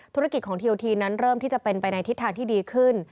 ธุรกิจของทีโอทีนั้นเริ่มที่จะเป็นไปในทิศทางที่ดีขึ้น